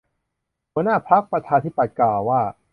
หัวหน้าพรรคประชาธิปัตย์กล่าวว่า